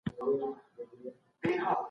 مابعدالطبيعه فلسفه پياوړې کړه.